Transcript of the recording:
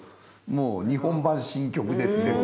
もう日本版「神曲」ですねこれ。